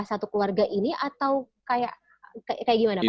satu keluarga ini atau kayak gimana pak